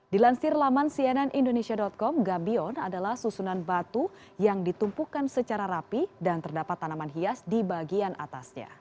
dilansir laman cnnindonesia com gabion adalah susunan batu yang ditumpukan secara rapi dan terdapat tanaman hias di bagian atasnya